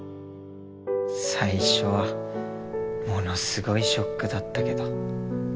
最初はものすごいショックだったけど。